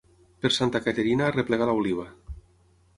Per Santa Caterina arreplega l'oliva.